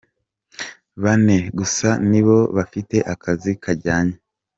‘Bane gusa nibo bafite akazi kajyanye.